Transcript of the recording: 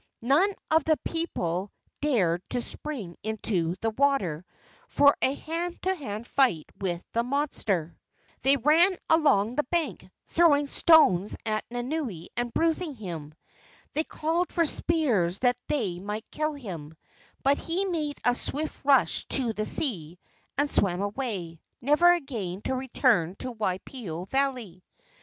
None of the people dared to spring into the water for a hand to hand fight with the monster. They ran along the bank, throwing stones at Nanaue and bruising him. They called for spears that they might kill him, but he made a swift rush to the sea and swam away, never again to return to Waipio Valley.